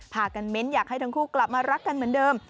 พากันเม้นต์อยากให้ทั้งคู่กลับมารักกันเหมือนเดิม